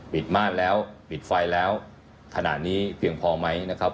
ม่านแล้วปิดไฟแล้วขณะนี้เพียงพอไหมนะครับ